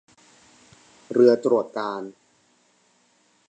เรือตรวจการณ์